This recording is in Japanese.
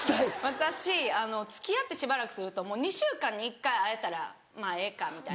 私付き合ってしばらくするともう２週間に１回会えたらまぁええかみたいな。